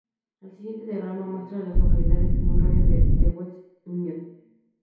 El siguiente diagrama muestra a las localidades en un radio de de West Union.